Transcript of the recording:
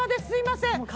すいません。